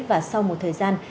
và sau một thời gian